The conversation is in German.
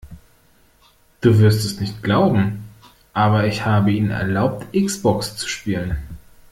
Du wirst es nicht glauben, aber ich habe ihm erlaubt X-Box zu spielen.